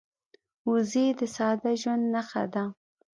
وزې د ساده ژوند نښه ده